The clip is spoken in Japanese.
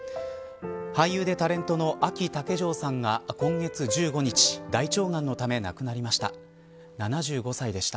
俳優でタレントのあき竹城さんが今月１５日大腸がんのため亡くなりました。